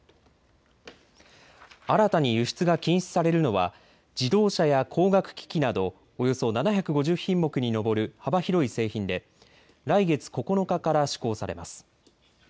新たに輸出が禁止されるのは自動車や光学機器などおよそ７５０品目に上る幅広い製品で来月９日から施行されます。